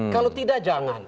kalau tidak jangan